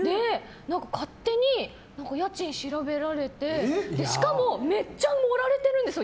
勝手に家賃調べられてしかも、めっちゃ盛られてるんですよ